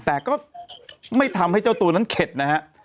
แต่ก็ไม่ทำให้เจ้าตัวนั้นเข็ดนะฮะ